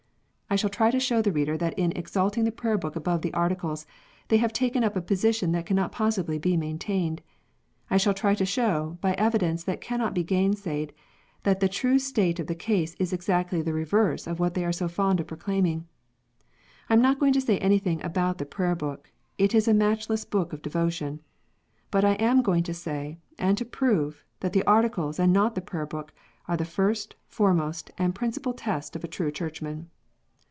I shall try to show the reader that in exalting the Prayer book above the Articles, they have taken up a position that cannot possibly be maintained. I shall try to show, by evidence that cannot be gainsayed, that the true state of the case is exactly the reverse of what they are so fond of proclaiming. I am not going to say anything against the Prayer book. It is a matchless book of devotion. But I am going to say, and to prove, that the Articles, and not the Prayer book, are the first, foremost, and principal test of a true Churchman.